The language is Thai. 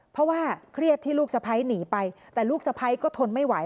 เพราะว่าเครียดที่ลูกสะพ้ายหนีไปแต่ลูกสะพ้ายก็ทนไม่ไหว